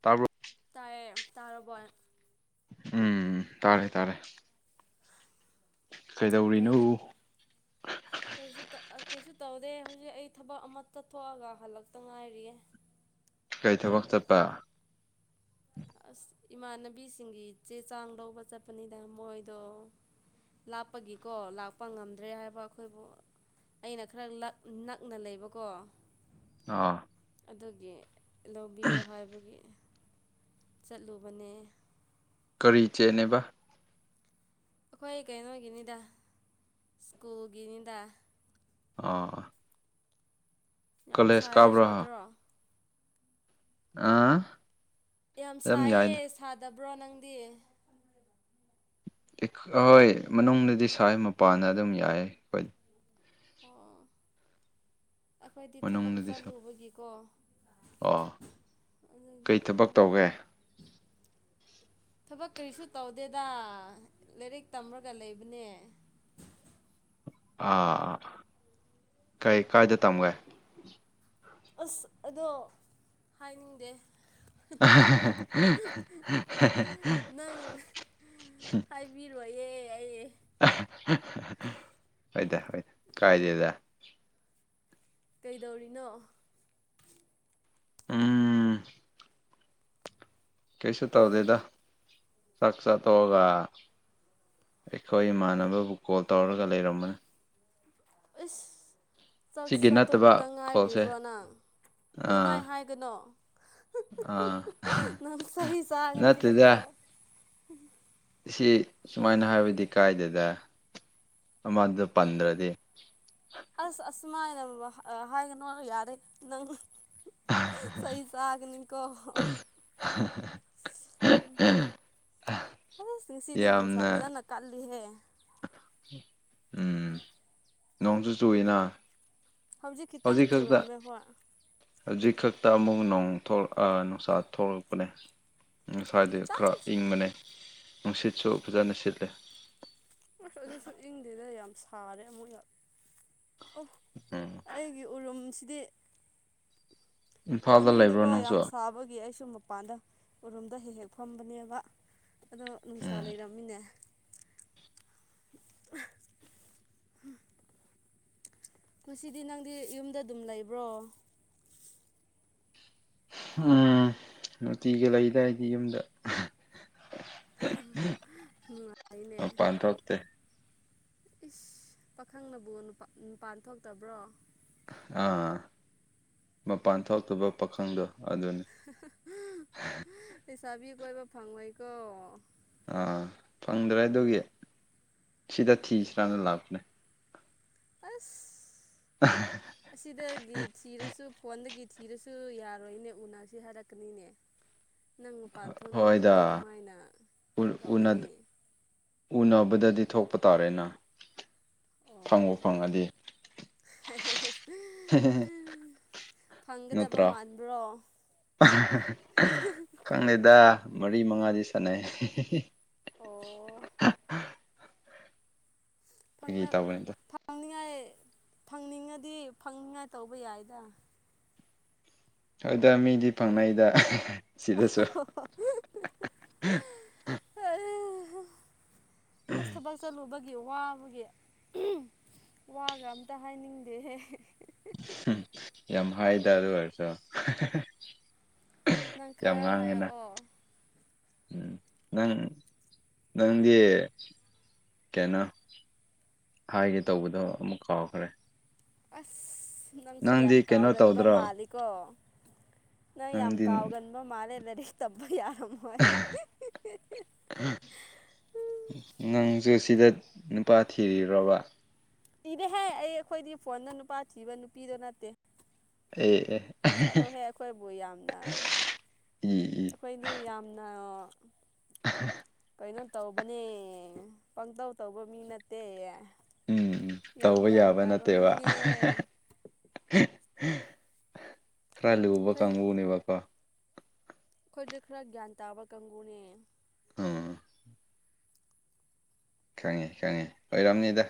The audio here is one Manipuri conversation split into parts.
ꯇꯥꯕ꯭ꯔꯣ ꯇꯥꯏꯌꯦ ꯇꯥꯔꯕꯣ ꯎꯝ ꯇꯥꯔꯦ ꯇꯥꯔꯦ ꯀꯩꯗꯧꯔꯤꯅꯣ ꯀꯩꯗ ꯀꯩꯁꯨ ꯇ ꯑ ꯀꯩꯁꯨ ꯇꯧꯗꯦ ꯍꯧꯖꯤꯛ ꯑꯩ ꯊꯕꯛ ꯑꯃ ꯆꯠ ꯊꯣꯛꯑꯒ ꯍꯜꯂꯛꯇ ꯉꯥꯏꯔꯤꯌꯦ ꯀꯩ ꯊꯕꯛ ꯆꯠꯄ ꯑꯁ ꯏꯃꯥꯟꯅꯕꯤꯁꯤꯡꯒꯤ ꯆꯦ ꯆꯥꯡ ꯂꯧꯕ ꯆꯠꯄꯅꯤꯗ ꯃꯣꯏꯗꯣ ꯂꯥꯞꯄꯒꯤꯀꯣ ꯂꯥꯛꯄ ꯉꯝꯗ꯭ꯔꯦ ꯍꯥꯏꯕ ꯑꯩꯈꯣꯏꯕꯨ ꯑꯩꯅ ꯈꯔ ꯂꯛ ꯅꯛꯅ ꯂꯩꯕꯀꯣ ꯑꯣ ꯑꯗꯨꯒꯤ ꯂꯧꯕꯤꯌꯣ ꯍꯥꯏꯕꯒꯤ ꯆꯠꯂꯨꯕꯅꯦ ꯀꯔꯤ ꯆꯦꯅꯦꯕ ꯑꯩꯈꯣꯏ ꯀꯩꯅꯣꯒꯤꯅꯤꯗ ꯁ꯭ꯀꯨꯜꯒꯤꯅꯤꯗ ꯑꯥ ꯌꯥꯝ ꯀꯣꯂꯦꯖ ꯁꯥꯏꯌꯦ ꯀꯥꯕ꯭ꯔꯣ ꯁꯥꯗ꯭ꯔꯣ ꯑ ꯌꯥꯝ ꯁꯥꯏꯌꯦ ꯁꯥꯗꯕ꯭ꯔꯣ ꯅꯪꯗꯤ ꯑ ꯍꯣꯏ ꯃꯅꯨꯡꯗꯗꯤ ꯁꯥꯏ ꯃꯄꯥꯟꯗ ꯑꯗꯨꯝ ꯌꯥꯏ ꯑꯩꯈꯣꯏ ꯑꯣ ꯑꯩꯈꯣꯏꯗꯤ ꯊꯕꯛ ꯃꯅꯨꯡꯗꯗꯤ ꯁꯥ ꯆꯠꯂꯨꯕꯒꯤꯀꯣ ꯑꯣ ꯑꯗꯨꯒꯤ ꯀꯩ ꯊꯕꯛ ꯇꯧꯒꯦ [unintelligible] ꯊꯕꯛ ꯀꯔꯤꯁꯨ ꯇꯧꯗꯦꯗ ꯂꯥꯏꯔꯤꯛ ꯇꯝꯔꯒ ꯂꯩꯕꯅꯦ ꯑꯥ ꯀꯩ ꯀꯥꯏꯗ ꯇꯝꯒꯦ ꯑꯁ ꯑꯗꯣ ꯍꯥꯏꯅꯤꯡꯗꯦ [unintelligible] ꯅꯪ ꯍꯥꯏꯕꯤꯔꯣꯏꯌꯦ ꯑꯩ [unintelligible] ꯍꯣꯏꯗ ꯍꯣꯏꯗ ꯀꯥꯏꯗꯦꯗ ꯀꯩꯗꯧꯔꯤꯅꯣ ꯎꯝ ꯀꯩꯁꯨ ꯇꯧꯗꯦꯗ ꯆꯥꯛ ꯆꯥ ꯇꯣꯛꯑꯒ ꯑꯩꯈꯣꯏ ꯏꯃꯥꯟꯅꯕꯕꯨ ꯀꯣꯜ ꯇꯧꯔꯒ ꯂꯩꯔꯝꯕꯅꯤ ꯑꯁ ꯆꯥꯛ ꯁꯤꯒꯤ ꯆꯥ ꯅꯠꯇꯕ ꯇꯣꯛꯄꯇ ꯀꯣꯜꯁꯦ ꯉꯥꯏꯔꯤꯕ꯭ꯔꯣ ꯅꯪ ꯑꯗꯨꯃꯥꯏ ꯑꯥ ꯍꯥꯏꯒꯅꯣ ꯑꯥ ꯅꯪ ꯆꯩ ꯆꯥꯒꯅꯤꯗꯀꯣ [unintelligible] ꯅꯠꯇꯦꯗ ꯁꯤ ꯁꯨꯃꯥꯏꯅ ꯍꯥꯏꯕꯗꯤ ꯀꯥꯏꯗꯦꯗ ꯑꯃꯗꯣ ꯄꯟꯗ꯭ꯔꯗꯤ ꯑꯁ ꯑꯁꯨꯃꯥꯏꯅ ꯍꯥꯏꯒꯅꯣ ꯌꯥꯗꯦ ꯅꯪ ꯆꯩ ꯆꯥꯒꯅꯤꯀꯣ ꯎꯝ ꯑꯁ ꯉꯁꯤꯗꯤ ꯅꯨꯡꯁꯥ ꯌꯥꯝꯅ ꯐꯖꯅ ꯀꯜꯂꯤꯍꯦ ꯎꯝ ꯅꯣꯡꯁꯨꯨ ꯆꯨꯏꯌꯦꯅ ꯍꯧꯖꯤꯛ ꯈꯤꯇꯪ ꯆꯨꯔꯝꯃꯦ ꯍꯣꯏ ꯍꯧꯖꯤꯛ ꯈꯛꯇ ꯑꯃꯨꯛ ꯅꯣꯡ ꯊꯣꯂꯛ ꯑ ꯅꯨꯡꯁꯥ ꯊꯣꯛꯂꯛꯄꯅꯦ ꯉꯁꯥꯏꯗꯤ ꯈꯤꯇꯪ ꯈꯔ ꯑꯁ ꯏꯪꯕꯅꯦ ꯅꯨꯡꯁꯤꯠꯁꯨ ꯐꯖꯅ ꯁꯤꯠꯂꯦ ꯑꯁ ꯑꯗꯨꯁꯨ ꯏꯪꯗꯦꯗ ꯌꯥꯝ ꯁꯥꯔꯦ ꯑꯃꯨꯛ ꯌꯥꯝ ꯑꯣ ꯎꯝ ꯑꯩꯒꯤ ꯎꯔꯨꯝꯁꯤꯗꯤ ꯏꯝꯐꯥꯜꯗ ꯂꯩꯕ꯭ꯔꯣ ꯃꯅꯨꯡꯗꯀꯣ ꯅꯪꯁꯨ ꯌꯥꯝ ꯁꯥꯕꯒꯤ ꯑꯩꯁꯨ ꯃꯄꯥꯟꯗ ꯎꯔꯨꯝꯗ ꯍꯦꯛ ꯍꯦꯛ ꯐꯝꯕꯅꯦꯕ ꯑꯗꯣ ꯅꯨꯡꯁꯥ ꯎꯝ ꯂꯩꯔꯝꯃꯤꯅꯦ [unintelligible] ꯉꯁꯤꯗꯤ ꯅꯪꯗꯤ ꯌꯨꯝꯗ ꯑꯗꯨꯝ ꯂꯩꯕ꯭ꯔꯣ ꯎꯝ ꯅꯨꯡꯇꯤꯒꯤ ꯂꯩꯗ ꯑꯩꯗꯤ ꯌꯨꯝꯗ [unintelligible] ꯅꯨꯡꯉꯥꯏꯅꯦ [unintelligible] ꯏꯁ ꯄꯥꯈꯪꯅꯕꯨ ꯅꯨꯄꯥ ꯅꯨꯄꯥꯟ ꯊꯣꯛꯇꯕ꯭ꯔꯣ ꯑꯥ ꯃꯄꯥꯟ ꯊꯣꯛꯇꯕ ꯄꯥꯈꯪꯗꯣ ꯑꯗꯨꯅꯤ ꯂꯩꯁꯥꯕꯤ ꯀꯣꯏꯕ ꯐꯪꯉꯣꯏꯀꯣ ꯑꯥ ꯐꯪꯗ꯭ꯔꯦ ꯑꯗꯨꯒꯤ ꯁꯤꯗ ꯊꯤꯁꯤ꯭ꯔꯥꯅ ꯂꯥꯛꯄꯅꯦ ꯑꯁ [unintelligible] ꯑꯁꯤꯗꯒꯤ ꯊꯤꯔꯁꯨ ꯐꯣꯟꯗꯒꯤ ꯊꯤꯔꯁꯨ ꯌꯥꯔꯣꯏꯅꯦ ꯎꯅꯁꯤ ꯍꯥꯏꯔꯛꯀꯅꯤꯅꯦ ꯅꯪ ꯃꯄꯥꯟ ꯊꯣꯛꯅꯤꯡꯗ꯭ꯔꯗꯤ ꯍꯣꯏꯗ ꯀꯃꯥꯏꯅ ꯎ- ꯇꯧꯒꯅꯤ ꯎꯅ- ꯎꯅꯕꯗꯗꯤ ꯊꯣꯛꯄ ꯇꯥꯔꯦꯅ ꯑꯣ ꯐꯪꯕꯨ ꯐꯪꯉꯗꯤ [unintelligible] ꯍꯦ ꯍꯦ ꯍꯦ ꯐꯪꯒꯗꯕ ꯅꯠꯇ꯭ꯔꯣ ꯃꯥꯟꯕ꯭ꯔꯣ [unintelligible] ꯈꯪꯗꯦꯗ ꯃꯔꯤ ꯃꯉꯥꯗꯤ ꯁꯥꯟꯅꯩ ꯑꯣ ꯑꯩꯈꯣꯏꯒꯤ ꯐꯪꯅ ꯇꯧꯕꯅꯤꯗ ꯐꯪ ꯐꯪꯅꯤꯡꯉꯥꯏ ꯐꯪꯅꯤꯡꯉꯗꯤ ꯐꯪꯅꯤꯡꯉꯥꯏ ꯇꯧꯕ ꯌꯥꯏꯗ ꯍꯣꯏꯗ ꯃꯤꯗꯤ ꯐꯪꯅꯩꯗ ꯁꯤꯗꯁꯨ [unintelligible] ꯑ ꯑ ꯑꯁ ꯊꯕꯛ ꯆꯠꯂꯨꯕꯒꯤ ꯋꯥꯕꯒꯤ ꯋꯥꯒ ꯑꯝꯇ ꯍꯥꯏꯅꯤꯡꯗꯦꯍꯦ ꯌꯥꯝ ꯍꯥꯏꯗꯥ ꯑꯗꯨ ꯑꯣꯏꯔꯁꯨ ꯅꯪ ꯌꯥꯝ ꯈꯔ ꯉꯥꯡꯉꯦꯅ ꯍꯥꯏꯔꯛꯑꯣ ꯎꯝ ꯅꯪ ꯅꯪꯗꯤ ꯀꯩꯅꯣ ꯍꯥꯏꯒꯦ ꯇꯧꯕꯗꯣ ꯑꯃꯨꯛ ꯀꯥꯎꯈ꯭ꯔꯦ ꯑꯁ ꯅꯪꯁꯨ ꯌꯥꯝ ꯅꯪꯗꯤ ꯀꯩꯅꯣ ꯀꯥꯎꯒꯟꯕ ꯇꯧꯗ꯭ꯔꯣ ꯃꯥꯜꯂꯤ ꯀꯣ ꯅꯪ ꯌꯥꯝ ꯅꯪꯗꯤ ꯀꯥꯎꯒꯟꯕ ꯃꯥꯜꯂꯦ ꯂꯥꯏꯔꯤꯛ ꯇꯝꯕ ꯌꯥꯔꯝ ꯍꯣꯏ ꯍꯥꯛ ꯍꯤꯛ ꯅꯪꯁꯨ ꯁꯤꯗ ꯅꯨꯄꯥ ꯊꯤꯔꯤꯔꯣꯕ ꯊꯤꯗꯦꯍꯦ ꯑꯩ ꯑꯩꯈꯣꯏꯗꯤ ꯐꯣꯟꯗ ꯅꯨꯄꯥ ꯊꯤꯕ ꯅꯨꯄꯤꯗꯣ ꯅꯠꯇꯦ ꯑꯦ ꯑꯦ ꯆꯠꯂꯣ ꯍꯦ ꯑꯩꯈꯣꯏꯕꯨ ꯌꯥꯝꯅ ꯏ ꯏ ꯑꯩꯈꯣꯏꯗꯤ ꯌꯥꯝꯅ ꯑ [unintelligible] ꯀꯩꯅꯣ ꯇꯧꯕꯅꯦ ꯄꯪꯇꯧ ꯇꯧꯕ ꯃꯤ ꯅꯠꯇꯦ ꯎꯝ ꯎꯝ ꯌꯥꯝ ꯇꯧꯕ ꯒ꯭ꯌꯥꯟ ꯌꯥꯕ ꯇꯥꯕ ꯅꯠꯇꯦꯕ ꯃꯤꯅꯦ ꯑꯩꯈꯣꯏ ꯈꯔ ꯂꯎꯕ ꯀꯥꯡꯕꯨꯅꯦꯕꯀꯣ ꯑꯩꯈꯣꯏꯗꯤ ꯈꯔ ꯒ꯭ꯌꯥꯟ ꯇꯥꯕ ꯀꯥꯡꯕꯨꯅꯦ ꯑꯣ ꯈꯪꯉꯦ ꯈꯪꯉꯦ ꯑꯣꯏꯔꯝꯅꯤꯗ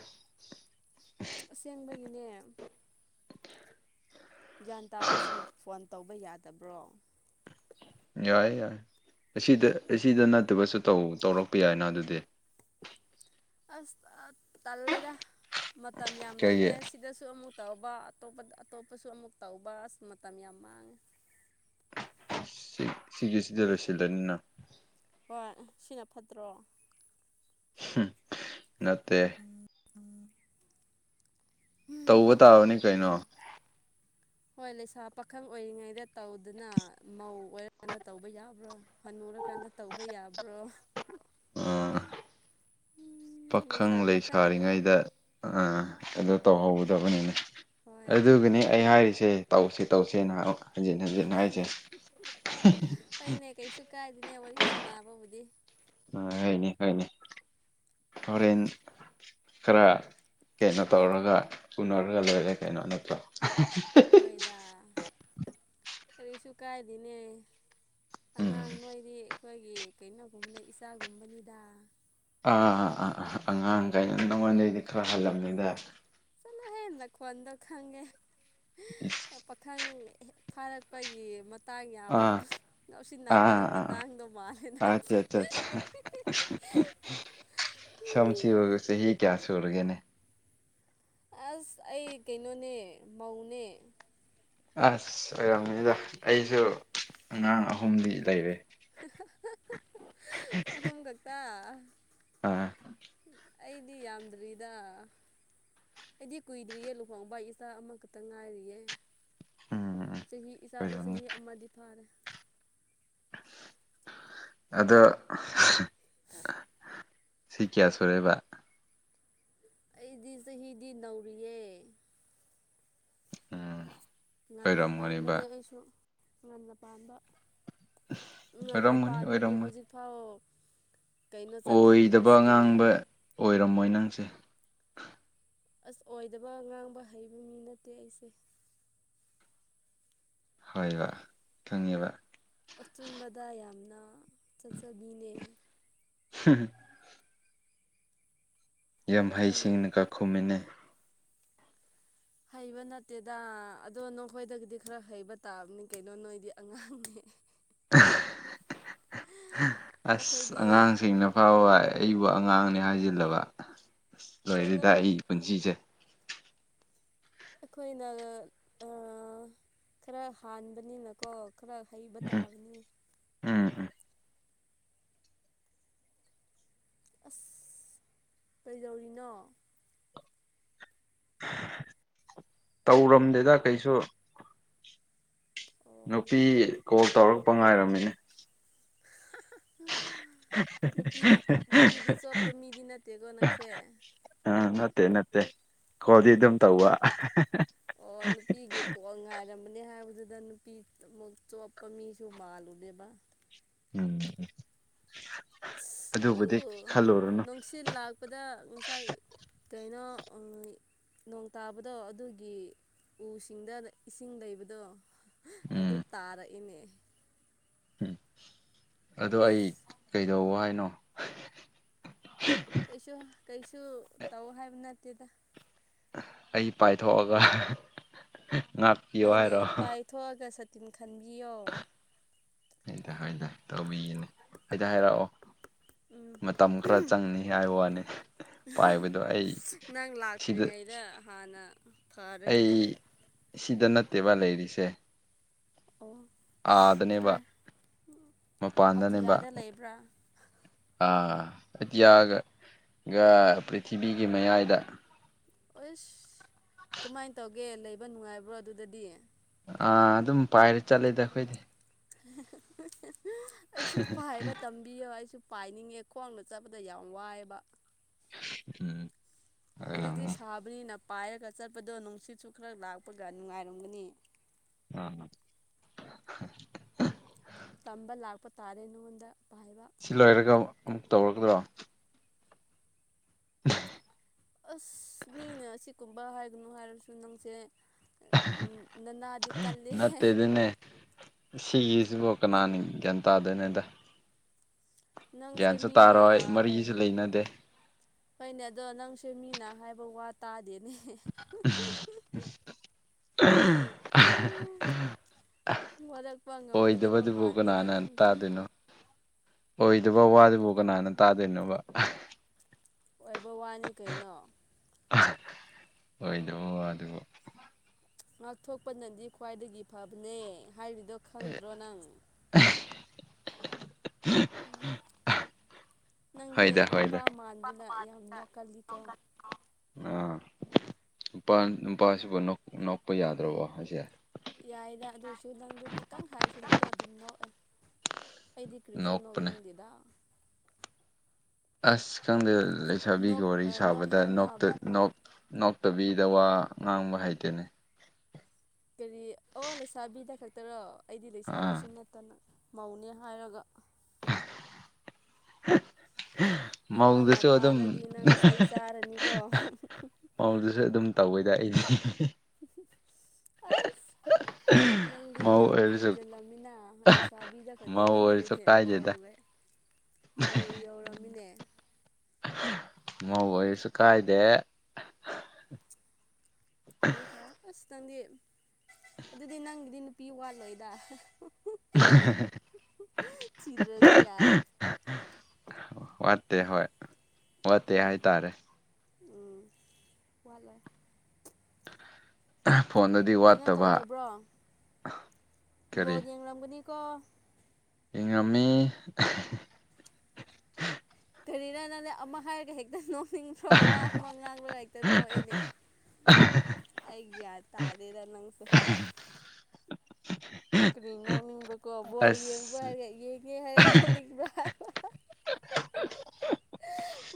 ꯑꯁꯦꯡꯕꯒꯤꯅꯦ ꯒ꯭ꯌꯥꯟ ꯇꯥꯕꯁꯤꯡ ꯐꯣꯟ ꯇꯧꯕ ꯌꯥꯗꯕ꯭ꯔꯣ ꯌꯥꯏ ꯌꯥꯏ ꯑꯁꯤꯗ ꯑꯁꯤꯗ ꯅꯠꯇꯕꯁꯨ ꯇꯧ ꯇꯧꯔꯛꯄ ꯌꯥꯏꯅ ꯑꯗꯨꯗꯤ ꯑꯁ ꯑꯥ ꯇꯜꯂꯦꯗ ꯃꯇꯝ ꯌꯥꯝ ꯀꯩꯒꯤ ꯂꯩꯇꯦ ꯁꯤꯗꯁꯨ ꯑꯃꯨꯛ ꯇꯧꯕ ꯑꯇꯣꯞꯄꯗ ꯑꯇꯣꯞꯄꯁꯨ ꯑꯃꯨꯛ ꯇꯧꯕ ꯑ ꯃꯇꯝ ꯌꯥꯝ ꯃꯥꯡꯉꯦ ꯁꯤ ꯁꯤꯒꯤꯁꯤꯗ ꯂꯣꯏꯁꯤꯟꯂꯅꯤꯅ ꯍꯣꯏ ꯁꯤꯅ ꯐꯠꯇ꯭ꯔꯣ ꯍꯝ ꯅꯠꯇꯦ [unintelligible] ꯇꯧꯕ ꯇꯥꯕꯅꯤ ꯀꯩꯅꯣ ꯍꯣꯏ ꯂꯩꯁꯥ ꯄꯥꯈꯪ ꯑꯣꯏꯔꯤꯉꯩꯗ ꯇꯧꯗꯅ ꯃꯧ ꯑꯣꯏꯔꯀꯥꯟꯗ ꯇꯧꯕ ꯌꯥꯕ꯭ꯔꯣ ꯍꯅꯨꯔꯀꯥꯟꯗ ꯇꯧꯕ ꯌꯥꯕ꯭ꯔꯣ ꯑꯥ ꯄꯥꯈꯪ ꯂꯩꯁꯥ ꯄꯥꯈꯪ ꯂꯩꯁꯔꯤꯉꯩꯗ ꯑꯥ ꯑꯗ ꯇꯧꯍꯧꯒꯗꯕꯅꯤꯅꯦ ꯍꯣꯏ ꯑꯗꯨꯒꯤꯅꯦ ꯑꯩ ꯍꯥꯏꯔꯤꯁꯦ ꯇꯧꯁꯤ ꯇꯧꯁꯦꯅ ꯍꯟꯖꯤꯟ ꯍꯟꯖꯤꯟ ꯍꯥꯏꯔꯤꯁꯦ ꯐꯩꯅꯦ ꯀꯩꯁꯨ ꯀꯥꯏꯗꯦꯅꯦ ꯋꯥꯔꯤ ꯁꯅꯕꯕꯨꯗꯤ ꯍꯥꯏꯅꯤ ꯍꯥꯏꯅꯦ ꯍꯣꯔꯦꯟ ꯈꯔ ꯀꯩꯅꯣ ꯇꯧꯔꯒ ꯎꯅꯔꯒ ꯂꯣꯏꯔꯦ ꯀꯩꯅꯣ ꯅꯠꯇꯣ ꯍꯣꯏꯗ ꯀꯔꯤꯁꯨ ꯀꯥꯏꯗꯦꯅꯦ ꯎꯝ ꯑꯉꯥꯡ ꯅꯣꯏꯗꯤ ꯑꯩꯈꯣꯏꯒꯤ ꯀꯩꯅꯣꯒꯨꯝꯕꯅ ꯏꯆꯥꯒꯨꯝꯕꯅꯤꯗ ꯑꯥ ꯑꯥ ꯑꯥꯥ ꯑꯉꯥꯡ ꯒꯥꯏꯅ ꯅꯉꯣꯟꯗꯩꯗꯤ ꯈꯔ ꯍꯜꯂꯝꯅꯤꯗ ꯆꯂꯣꯍꯦ ꯅꯈꯣꯟꯗꯣ ꯈꯪꯉꯦ ꯄꯥꯈꯪ ꯐꯥꯔꯛꯄꯒꯤ ꯃꯇꯥꯡ ꯌꯥꯝ ꯑꯥ ꯑꯥ ꯂꯧꯁꯤꯟꯅꯕꯒꯤ ꯑꯥ ꯃꯇꯥꯡꯗꯣ ꯃꯥꯜꯂꯦ ꯅꯪꯁꯦ ꯁꯝ ꯁꯤꯕꯨ ꯆꯍꯤ ꯀꯌꯥ ꯁꯨꯔꯒꯦꯅꯦ ꯑꯁ ꯑꯩ ꯀꯩꯅꯣꯅꯦ ꯃꯧꯅꯦ ꯑꯁ ꯑꯣꯏꯔꯝꯃꯤꯗ ꯑꯩꯁꯨ ꯑꯉꯥꯡ ꯑꯍꯨꯝꯗꯤ ꯂꯩꯔꯦ ꯑꯍꯨꯝ ꯈꯛꯇ ꯑꯥ ꯑꯩꯗꯤ ꯌꯥꯝꯗ꯭ꯔꯤꯗ ꯑꯩꯗꯤ ꯀꯨꯏꯗ꯭ꯔꯤꯌꯦ ꯂꯨꯍꯣꯡꯕ ꯏꯆꯥ ꯑꯃꯈꯛꯇ ꯉꯥꯏꯔꯤꯌꯦ ꯎꯝ ꯆꯍꯤ ꯏꯆꯥꯗꯣ ꯑꯣꯏꯔꯝꯅꯤ ꯆꯍꯤ ꯑꯃꯗꯤ ꯐꯥꯔꯦ ꯑꯗꯣ [unintelligible] ꯁꯤ ꯀꯌꯥ ꯁꯨꯔꯦꯕ ꯑꯩꯗꯤ ꯆꯍꯤꯗꯤ ꯅꯧꯔꯤꯌꯦ ꯎꯝ ꯉꯟꯅ ꯑꯣꯏꯔꯝꯒꯅꯤꯕ ꯄꯥꯟꯕꯅꯦ ꯑꯩꯁꯨ ꯉꯟꯅ ꯄꯥꯟꯕ ꯉꯟꯅ ꯑꯣꯏꯔꯝꯒꯅꯤ ꯄꯥꯟꯕꯒꯤ ꯑꯃꯒꯤ ꯑꯣꯏꯔꯝꯒꯅꯤ ꯍꯧꯖꯤꯛ ꯐꯥꯎ ꯑꯣꯏꯗꯕ ꯉꯥꯡꯕ ꯑꯣꯏꯔꯝꯃꯣꯏ ꯅꯪꯁꯦ ꯑꯁ ꯑꯣꯏꯗꯕ ꯉꯥꯡꯕ ꯍꯩꯕ ꯃꯤ ꯅꯠꯇꯦ ꯑꯩꯁꯦ ꯍꯥꯏꯕ ꯈꯪꯉꯦꯕ ꯑꯆꯨꯝꯕꯗ ꯌꯥꯝꯅ ꯆꯠꯆꯕꯤꯅꯦ [unintelligible] ꯌꯥꯝ ꯃꯥꯅꯦ ꯍꯩꯁꯤꯡꯅ ꯀꯥꯈꯨꯝꯃꯤꯟꯅꯦ ꯍꯩꯕ ꯅꯠꯇꯦꯗ ꯑꯗꯣ ꯅꯈꯣꯏꯗꯒꯤꯗꯤ ꯈꯔ ꯍꯩꯕ ꯇꯥꯕꯅꯤ ꯀꯩꯅꯣ ꯅꯣꯏꯗꯤ ꯑꯉꯥꯡꯅꯤ [unintelligible] ꯑꯁ ꯑꯩꯈꯣꯏꯗꯤ ꯑꯉꯥꯡꯁꯤꯡꯅ ꯐꯥꯎꯕ ꯑꯩꯕꯨ ꯑꯉꯥꯡꯅꯦ ꯍꯥꯏꯖꯤꯜꯂꯕ ꯂꯣꯏꯔꯤꯗ ꯆꯠꯂꯣꯍꯦ ꯑꯩꯒꯤ ꯄꯨꯟꯁꯤꯁꯦ ꯑꯩꯈꯣꯏꯅ ꯈꯔ ꯍꯥꯟꯕꯅꯤꯅ ꯀꯣ ꯈꯔ ꯍꯩꯕ ꯎꯝ ꯇꯥꯕꯅꯤ ꯎꯝ ꯎꯝ ꯀꯩꯗꯧꯔꯤꯅꯣ ꯇꯧꯔꯝꯗꯦꯗ ꯀꯩꯁꯨ ꯑꯣ ꯑꯣ ꯅꯨꯄꯤ ꯀꯣꯜ ꯇꯧꯔꯛꯄ ꯉꯥꯏꯔꯝꯃꯤꯅꯦ [unintelligible] ꯅꯨꯄꯤꯗꯤ ꯅꯨꯄꯤꯗꯤ ꯆꯣꯞꯄ ꯃꯤꯗꯤ ꯅꯠꯇꯦꯀꯣ ꯅꯪꯁꯦ ꯑꯥ ꯅꯠꯇꯦ ꯅꯠꯇꯦ ꯈꯣꯗꯤ ꯑꯗꯨꯝ ꯇꯧꯕ ꯂꯩꯔꯝꯅꯦ ꯍꯥꯏꯕꯗꯨꯗ ꯅꯨꯄꯤ ꯆꯣꯞꯄ ꯃꯤꯁꯨ ꯃꯥꯜꯂꯨꯗꯦꯕ ꯎꯝ ꯑꯗꯨꯕꯨꯗꯤ ꯈꯜꯂꯨꯔꯨꯅꯨ ꯁꯤ ꯂꯥꯛꯄꯗ ꯉꯁꯥꯏ ꯀꯩꯅꯣ ꯅꯣꯡ ꯇꯥꯕꯗꯣ ꯑꯗꯨꯒꯤ ꯎꯁꯤꯡꯗ ꯏꯁꯤꯡ ꯂꯩꯕꯗꯣ ꯑꯗꯨ ꯎꯝ ꯇꯥꯔꯛꯏꯅꯦ ꯎꯝ ꯑꯗꯣ ꯑꯩ ꯀꯩꯗꯧ ꯍꯥꯏꯅꯣ ꯀꯩꯁꯨ ꯀꯩꯁꯨ ꯇꯧ ꯍꯥꯏꯕ ꯅꯠꯇꯦꯗ ꯑꯩ ꯄꯥꯏꯊꯣꯛꯑꯒ ꯉꯥꯛ ꯍꯣꯏꯅꯦ ꯄꯥꯏꯊꯣꯛꯑꯒ ꯁꯇꯤꯟ ꯈꯟꯕꯤꯌꯣ ꯍꯗ ꯍꯣꯏꯗ ꯇꯧꯕꯤꯒꯦꯅꯦ ꯍꯥꯏꯗꯤ ꯍꯥꯏꯔꯛꯑꯣ ꯃꯇꯝ ꯈꯔ ꯆꯪꯅꯤ ꯍꯥꯏꯕ ꯋꯥꯅꯤ ꯄꯥꯏꯕꯗꯣ ꯑꯩ ꯁꯤꯗ ꯍꯟꯅ ꯑꯩ ꯁꯤꯗ ꯅꯠꯇꯦꯕ ꯂꯩꯔꯤꯁꯦ ꯑꯣ ꯑꯥꯗꯅꯦꯕ ꯀꯥꯏ ꯃꯄꯥꯟꯗꯅꯦꯕ ꯑꯇꯤꯌꯥꯗ ꯂꯩꯕ꯭ꯔꯥ ꯑꯇꯤꯌꯥꯒꯒ ꯄ꯭ꯔꯤꯊꯤꯕꯤꯒꯤ ꯃꯌꯥꯏꯗ ꯑꯣꯏꯁ ꯀꯃꯥꯏꯅ ꯇꯧꯒꯦ ꯂꯩꯕ ꯅꯨꯡꯉꯥꯏꯕ꯭ꯔꯣ ꯑꯗꯨꯗꯗꯤ ꯑꯥ ꯑꯗꯨꯝ ꯄꯥꯏꯔ ꯆꯠꯂꯦꯗ ꯑꯩꯈꯣꯏꯗꯤ ꯑꯩꯁꯨ ꯄꯥꯏꯕ ꯃꯇꯝ ꯕꯤꯌꯣ ꯑꯩꯁꯨ ꯄꯥꯏꯅꯤꯡꯉꯦ ꯈꯣꯡꯅ ꯆꯠꯄꯗ ꯌꯥꯝ ꯋꯥꯏꯑꯦꯕ ꯎꯝ ꯍꯧꯖꯤꯛꯇꯤ ꯑꯣꯏꯔꯝꯅꯤ ꯁꯥꯕꯅꯤꯅ ꯄꯥꯏꯔꯒ ꯆꯠꯄꯗꯣ ꯅꯨꯡꯁꯤꯠꯁꯨ ꯈꯔ ꯂꯥꯛꯄꯒ ꯅꯨꯡꯉꯥꯏꯔꯝꯒꯅꯤ ꯑꯥ ꯇꯝꯕ ꯂꯥꯛꯄ ꯇꯥꯔꯦ ꯅꯉꯣꯟꯗ ꯄꯥꯏꯕ ꯁꯤ ꯂꯩꯔꯒ ꯑꯃꯨꯛ ꯇꯧꯔꯒꯗ꯭ꯔꯣ [unintelligible] ꯑꯁ ꯃꯤꯅ ꯑꯁꯤ ꯀꯨꯝ ꯕꯥ ꯍꯥꯏꯒꯅꯨ ꯍꯥꯏꯔꯁꯨ ꯅꯪꯁꯦ ꯅꯅꯥꯗꯤ ꯀꯜꯂꯤꯍꯦ ꯅꯠꯇꯦ ꯗꯦꯅꯦ ꯁꯤꯒꯤꯁꯤꯕꯣ ꯀꯅꯅꯥ ꯒ꯭ꯌꯥꯟ ꯇꯥꯗꯣꯏꯅꯣꯗ ꯅꯪꯁꯦ ꯒ꯭ꯌꯥꯟꯁꯨ ꯃꯤꯅ ꯇꯥꯔꯣꯏ ꯃꯔꯤꯁꯨ ꯂꯩꯅꯗꯦ ꯍꯣꯏꯅꯦ ꯑꯗꯣ ꯅꯪꯁꯨ ꯃꯤꯅ ꯍꯥꯏꯕ ꯋꯥ ꯇꯥꯗꯦꯅꯦ ꯋꯥꯔꯛꯄ [unintelligible] ꯉꯝꯒꯗꯕ ꯑꯣꯏꯗꯕꯗꯨꯕꯨ ꯃꯥꯟꯗꯦꯗ ꯀꯅꯥꯅ ꯅꯪꯁꯦ ꯇꯥꯗꯣꯏꯅꯣ ꯑꯣꯏꯗꯕ ꯋꯥꯗꯨꯕꯨ ꯀꯅꯥꯅ ꯇꯥꯗꯣꯏꯅꯣꯕ ꯑꯣꯏꯕ ꯋꯥꯅꯤ ꯀꯩꯅꯣ ꯍꯣꯏꯗꯕ ꯋꯑꯗꯨꯕꯨ ꯉꯥꯛꯊꯣꯛꯄꯅꯗꯤ ꯈ꯭ꯋꯥꯏꯗꯒꯤ ꯐꯕꯅꯦ ꯍꯥꯏꯕꯗꯣ ꯈꯪꯗ꯭ꯔꯣ ꯅꯪ [unintelligible] ꯅꯪꯁꯦ ꯍꯣꯏꯗ ꯍꯣꯏꯗ ꯅꯨꯄꯥ ꯃꯥꯟꯗꯅ ꯌꯥꯝ ꯅꯣꯀꯜꯂꯤꯀꯣ ꯑꯥ ꯅꯨꯄꯥ ꯅꯨꯄꯥꯁꯤꯕꯨ ꯅꯣꯛꯄ ꯌꯥꯗ꯭ꯔꯕꯣ ꯍꯥꯏꯁꯦ ꯌꯥꯏꯗ ꯑꯗꯨꯏꯁꯨ ꯅꯪꯗꯣ ꯈꯤꯇꯪ ꯍꯥꯏꯔꯁꯨ ꯍꯦꯛꯇ ꯑꯗꯨꯝ ꯅꯣꯛꯑꯦ ꯑꯩꯗꯤ ꯀ꯭ꯔꯤꯁ ꯅꯣꯛꯄꯅꯦ ꯅꯣꯛꯅꯤꯡꯗꯦꯗ ꯑꯁ ꯀꯪꯗꯦ ꯂꯩꯁꯥꯕꯤꯒ ꯅꯣꯛ ꯋꯥꯔꯤ ꯁꯥꯕꯗ ꯅꯣꯛꯇ ꯅꯣꯛꯍꯟꯅꯕ ꯅꯣꯛ ꯅꯣꯛꯇꯕꯤꯗ ꯋꯥ ꯉꯥꯡꯕ ꯍꯩꯇꯦꯅꯦ ꯀꯔꯤ ꯑꯣ ꯂꯩꯁꯥꯕꯤꯗ ꯈꯛꯇꯔꯣ ꯑꯩꯗꯤ ꯑꯥ ꯂꯩꯁꯥꯕꯤꯁꯨ ꯅꯠꯇꯅ ꯃꯧꯅꯦ ꯍꯥꯏꯔꯒ [unintelligible] ꯏꯍꯥꯟꯅ ꯃꯧꯗꯁꯨ ꯑꯗꯨꯝ ꯇꯥꯔꯗꯤ ꯅꯪ ꯆꯩ ꯆꯥꯔꯅꯤꯀꯣ ꯃꯧꯗꯁꯨ ꯑꯗꯨꯝ ꯇꯧꯏꯗ ꯑꯩꯗꯤ ꯑꯁ [unintelligible] ꯅꯪꯗꯤ ꯃꯧ ꯌꯥꯝ ꯑꯣꯏꯔꯁꯨ ꯍꯦꯟꯖꯤꯜꯂꯝꯃꯤꯅ ꯂꯩꯁꯥꯕꯤꯗ ꯈꯛꯇ ꯃꯧ ꯑꯣꯏꯔꯁꯨ ꯅꯠꯇ꯭ꯔꯦꯅꯦ ꯃꯧ ꯀꯥꯏꯗꯦꯗ ꯃꯧ ꯌꯧꯔꯝꯃꯤꯅꯦ ꯃꯧ ꯑꯣꯏꯔꯁꯨ ꯀꯥꯏꯗꯦ ꯐꯩꯌꯦ ꯐꯩꯌꯦ ꯑꯁ ꯅꯪꯗꯤ ꯑꯗꯨꯗꯤ ꯅꯪꯒꯤꯗꯤ ꯅꯨꯄꯤ ꯋꯥꯠꯂꯣꯏꯗ ꯊꯤꯗ꯭ꯔꯁꯨ ꯌꯥꯔꯦ [unintelligible] ꯋꯥꯠꯇꯦ ꯍꯣꯏ ꯋꯥꯠꯇꯦ ꯍꯥꯏꯇꯥꯔꯦ ꯑꯨꯝ ꯋꯥꯠꯂꯣꯏ ꯐꯣꯟꯗꯗꯤ ꯀꯩꯅꯣ ꯋꯥꯠꯇꯕ ꯇꯧꯗꯕ꯭ꯔꯣ ꯕꯣꯜ ꯀꯔꯤ ꯌꯦꯡꯂꯡꯝꯒꯅꯤꯀꯣ ꯌꯦꯡꯉꯝꯃꯤ ꯀꯔꯤꯅ ꯅꯪꯅꯦ ꯑꯃ ꯍꯥꯏꯔꯒ ꯍꯦꯛꯇꯅꯣ ꯅꯤꯡꯊ꯭ꯔꯣ ꯋꯥ ꯑꯃ ꯉꯥꯡꯕ ꯂꯥꯏꯔꯤꯛꯇ ꯅꯣꯛꯏꯅꯦ ꯑꯩ ꯒ꯭ꯌꯥꯠ ꯇꯥꯗꯦꯗ ꯅꯪ [unintelligible] ꯀꯔꯤ ꯅꯣ ꯃꯤꯨꯝ꯭ꯔꯀ ꯑꯕꯋꯥ ꯌꯦ ꯭ꯔꯣ ꯑꯁ ꯍꯥꯏꯔꯦ ꯌꯦꯡꯉꯦ ꯍꯥꯏꯔ ꯅꯣꯛꯅꯤꯡꯕ꯭ꯔꯥ ꯍꯥꯏꯕ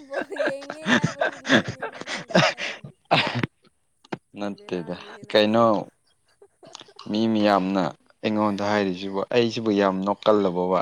ꯕ ꯌꯦꯡꯉꯦ ꯍꯥꯏꯕꯗꯨ ꯅꯣꯡꯅꯤꯡꯉꯦ ꯅꯪꯗꯤ ꯑꯩꯗꯤ ꯅꯠꯇꯦꯗ ꯅꯪꯁꯨ ꯀꯥꯏꯩꯅꯣ ꯃꯤ ꯃꯤꯌꯥꯝꯅ ꯑꯩꯉꯣꯟꯗ ꯍꯥꯏꯔꯤꯁꯤꯕꯨ ꯑꯩꯁꯤꯕꯨ ꯌꯥꯝ ꯅꯣꯛꯀꯜꯂꯕꯕ